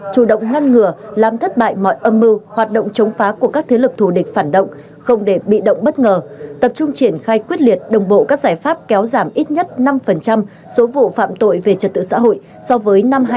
chủ động ngăn ngừa làm thất bại mọi âm mưu hoạt động chống phá của các thế lực thù địch phản động không để bị động bất ngờ tập trung triển khai quyết liệt đồng bộ các giải pháp kéo giảm ít nhất năm số vụ phạm tội về trật tự xã hội so với năm hai nghìn một mươi tám